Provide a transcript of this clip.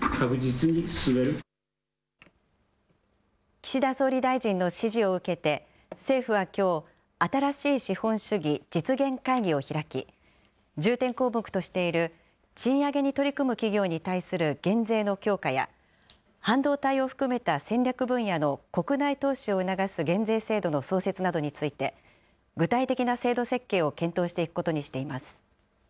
岸田総理大臣の指示を受けて、政府はきょう、新しい資本主義実現会議を開き、重点項目としている賃上げに取り組む企業に対する減税の強化や、半導体を含めた戦略分野の国内投資を促す減税制度の創設などについて、具体的な制度設計を検討していくことにしています。